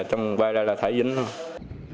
trong vai ra là thả dính thôi